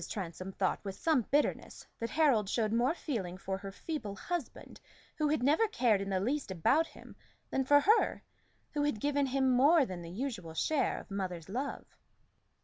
Transome thought with some bitterness that Harold showed more feeling for her feeble husband who had never cared in the least about him, than for her, who had given him more than the usual share of mother's love.